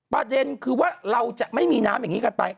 ประเด็นคือว่าเราจะไม่มีน้ำอย่างนี้กันไป